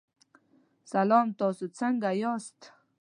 سلام، تاسو څنګه یاست؟